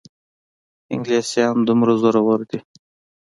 انګلیسیان دومره زورور دي.